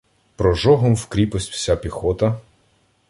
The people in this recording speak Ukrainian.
Прожогом в кріпость вся піхота